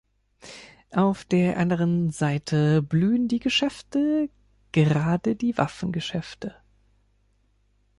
Auf der anderen Seite blühen die Geschäfte, gerade die Waffengeschäfte.